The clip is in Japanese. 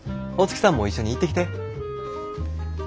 大月さんも一緒に行ってきて。